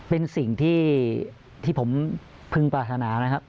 เป็นสิ่งที่ผมพึงปรารถนานะครับ